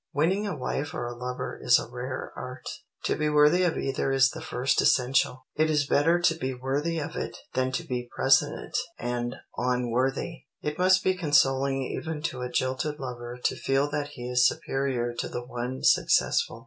Winning a wife or a lover is a rare art. To be worthy of either is the first essential. It is better to be worthy of it than to be President and unworthy. It must be consoling even to a jilted lover to feel that he is superior to the one successful.